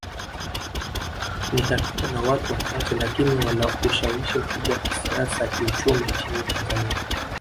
Ni kabila la watu wachache lakini wana ushawishi mkubwa kisiasa kiuchumi nchini Tanzania